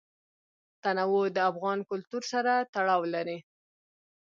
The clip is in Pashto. تنوع د افغان کلتور سره تړاو لري.